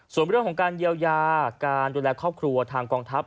ส่วนเรื่องของการเยียวยาการดูแลครอบครัวทางกองทัพ